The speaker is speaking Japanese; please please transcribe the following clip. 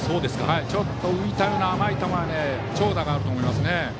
ちょっと浮いた甘い球には長打があると思います。